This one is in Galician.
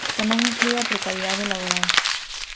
Tamén inflúe a precariedade laboral.